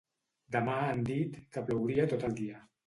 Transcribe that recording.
Demà han dit que plouria tot el dia.